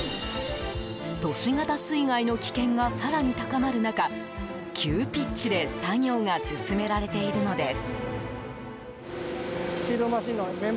都市型水害の危険が更に高まる中急ピッチで作業が進められているのです。